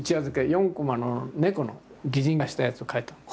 ４コマの猫の擬人化したやつを描いた。